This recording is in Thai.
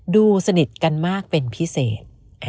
ดูสนิทกันมากเป็นพิเศษ